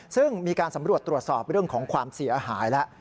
ซึ่งมีการสำรวจตรวจสอบเรื่องของความเสียหายแล้ว